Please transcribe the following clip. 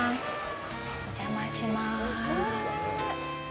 お邪魔します。